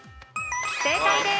正解です。